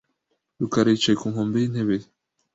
rukara yicaye ku nkombe yintebe ye .